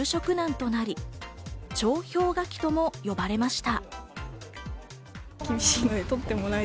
再び就職難となり、超氷河期と呼ばれました。